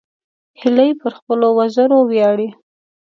هیلۍ پر خپلو وزرو ویاړي